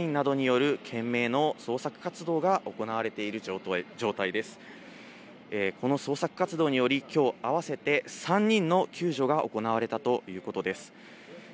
この捜索活動により、きょう、合わせて３人の救助が行われたということです。